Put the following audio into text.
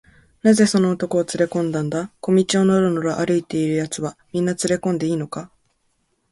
「なぜその男をつれこんだんだ？小路をのろのろ歩いているやつは、みんなつれこんでいいのか？」